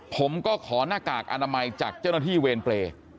ผมก็ขอหน้ากากอนามัยจากเจ้าหน้าที่เวรเปรย์